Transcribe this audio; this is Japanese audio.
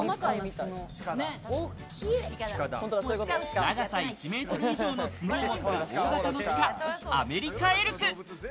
長さ１メートル以上の角を持つ大型のシカ、アメリカエルク。